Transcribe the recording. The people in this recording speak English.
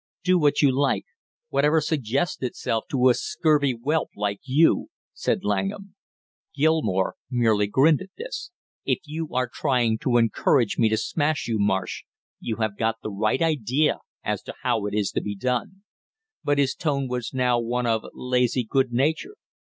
"Do what you like; whatever suggests itself to a scurvy whelp like you!" said Langham. Gilmore merely grinned at this. "If you are trying to encourage me to smash you, Marsh, you have got the right idea as to how it is to be done." But his tone was now one of lazy good nature.